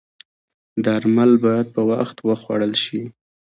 درمل باید په وخت وخوړل شي